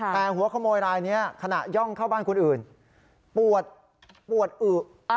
แต่หัวขโมยรายนี้ขณะย่องเข้าบ้านคนอื่นปวดปวดอึ